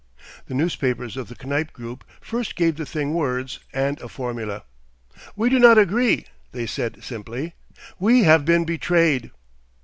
The newspapers of the Knype group first gave the thing words and a formula. "We do not agree," they said simply. "We have been betrayed!"